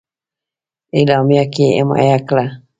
اعلامیه کې حمایه کړه.